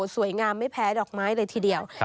สวยงามไม่แพ้ดอกไม้เลยทีเดียว